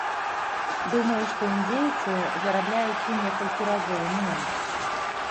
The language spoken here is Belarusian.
Думаю, што індзейцы зарабляюць у некалькі разоў менш.